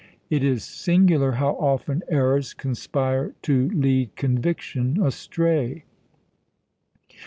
It is singular how often errors conspire to lead conviction astray.